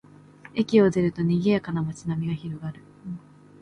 駅を出ると、にぎやかな街並みが広がる